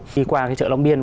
đi qua cái chợ long biên